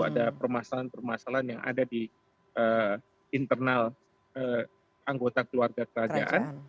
ada permasalahan permasalahan yang ada di internal anggota keluarga kerajaan